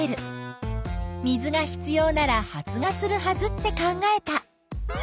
水が必要なら発芽するはずって考えた。